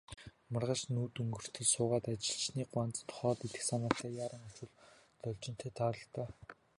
Маргааш нь үд өнгөртөл суугаад, ажилчны гуанзанд хоол идэх санаатай яаран очвол Должинтой тааралдлаа.